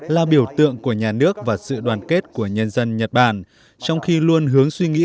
là biểu tượng của nhà nước và sự đoàn kết của nhân dân nhật bản trong khi luôn hướng suy nghĩ